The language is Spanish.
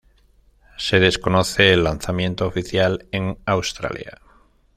Se desconoce el lanzamiento oficial en Australia.